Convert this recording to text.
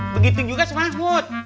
begitu juga sama mahmud